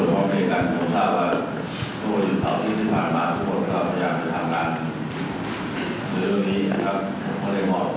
ของประเด็นประเด็นแรกก็คือ